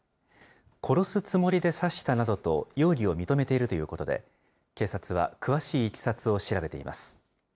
殺すつもりで刺したなどと容疑を認めているということで、警察は詳しいいきさつを調べています。